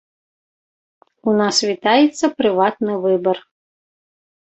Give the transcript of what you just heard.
У нас вітаецца прыватны выбар.